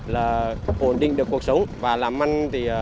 là ổn định được cuộc sống và làm măn